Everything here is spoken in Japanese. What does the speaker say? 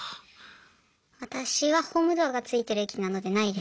私はホームドアがついてる駅なのでないです。